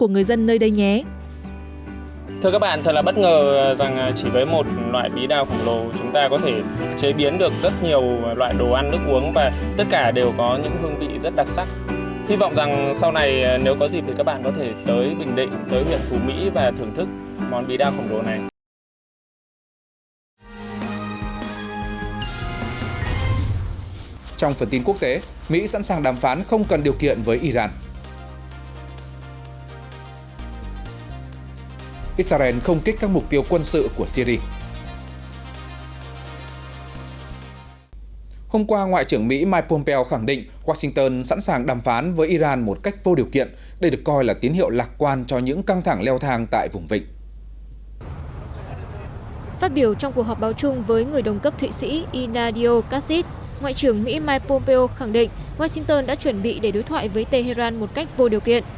ngoại trưởng mỹ mike pompeo khẳng định washington đã chuẩn bị để đối thoại với tehran một cách vô điều kiện